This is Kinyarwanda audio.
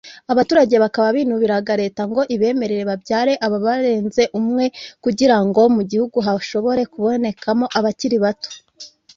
Abaturage bakaba binubiraga Leta ngo ibemerere babyare ababa barenze umwe kugira ngo mu gihugu hashobore kubonekamo abakiri bato